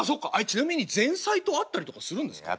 ちなみに前妻と会ったりとかするんですか？